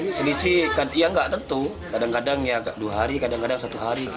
selisih kan ya nggak tentu kadang kadang ya dua hari kadang kadang satu hari